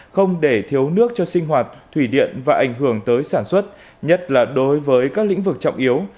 không để thiếu nước cho sinh hoạt thủy điện và ảnh hưởng tới sản xuất nhất là đối với các lĩnh vực trọng yếu